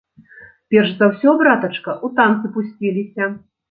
Перш за ўсё, братачка, у танцы пусціліся.